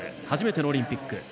初めてのオリンピック。